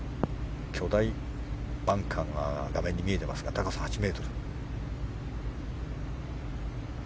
巨大バンカーが見えていますが高さ８ｍ。